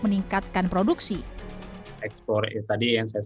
meningkatkan keuntungan dan keuntungan perusahaan migas yang terkenal di dalam perusahaan migas